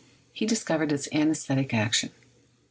He discovered its anesthetic action.